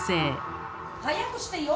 早くしてよ！